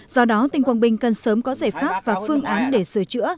do đó tỉnh quảng bình cần sớm có giải pháp và phương án để sửa chữa